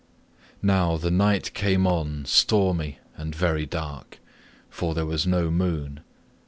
Now the night came on stormy and very dark, for there was no moon.